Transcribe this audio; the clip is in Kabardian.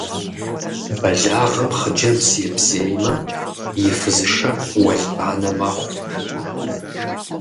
Бэлагъым хъыджэбз ебзеймэ, и фызышэр уэлбанэ мэхъу.